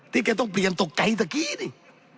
ที่แกต้องเปลี่ยนตกไกลตะกี้นี่